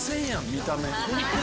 見た目。